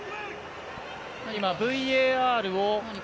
今、ＶＡＲを。